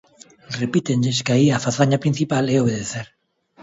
Repítenlles que aí a fazaña principal é obedecer.